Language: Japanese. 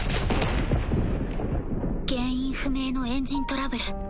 原因不明のエンジントラブル。